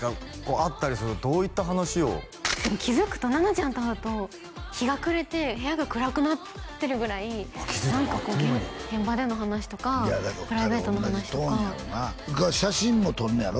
会ったりするとどういった話をでも気づくと菜奈ちゃんと会うと日が暮れて部屋が暗くなってるぐらい何かこう現場での話とかプライベートの話とかいやだから２人おんなじトーンやろな写真も撮んねやろ？